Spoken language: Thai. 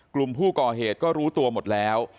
กลุ่มผู้ก่อเหตุก็รู้ตัวหมดแล้ว